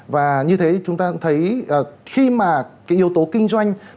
và như thế chúng ta cũng thấy khi mà cái yếu tố kinh doanh